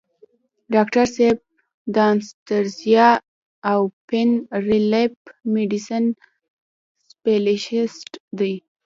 ډاکټر صېب دانستهزيا او پين ريليف ميډيسن سپيشلسټ دے ۔